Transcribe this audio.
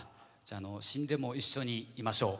死んでも一緒にいましょう。